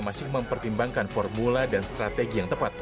masih mempertimbangkan formula dan strategi yang tepat